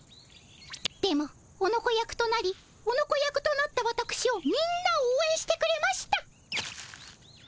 でもオノコ役となりオノコ役となったわたくしをみんなおうえんしてくれました。